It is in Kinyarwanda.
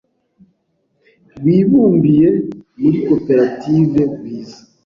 bibumbiye muri Koperative Gwiza